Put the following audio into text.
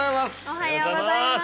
おはようございます。